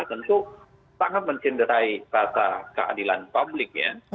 tentu sangat mencenderai rasa keadilan publik ya